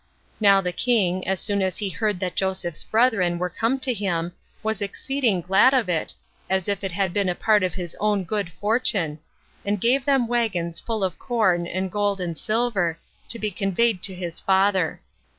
Now the king, as soon as he heard that Joseph's brethren were come to him, was exceeding glad of it, as if it had been a part of his own good fortune; and gave them wagons full of corn and gold and silver, to be conveyed to his father.